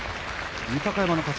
豊山の勝ち